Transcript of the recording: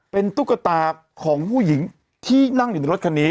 เป็นตุ๊กตาของผู้หญิงที่นั่งอยู่ในรถคันนี้